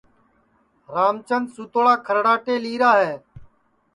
رام چند سُوتوڑا کھرڑاٹے لیرا ہے